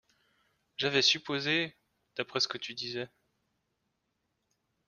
J’avais supposé,… d’après ce que tu disais…